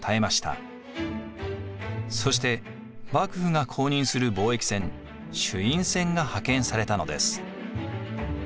そして幕府が公認する貿易船朱印船が派遣されたのです。